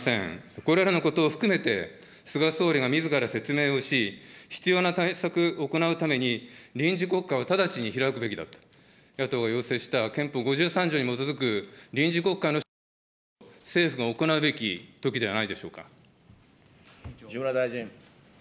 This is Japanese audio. これらのことを含めて、菅総理がみずから説明をし、必要な対策、行うために、臨時国会を直ちに開くべきだと、野党が要請した憲法５３条に基づく臨時国会の召集こそ、政府が行うべきときじゃないでしょうか。